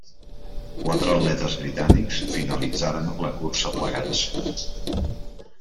Quatre atletes britànics finalitzaren la cursa plegats.